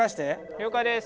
了解です。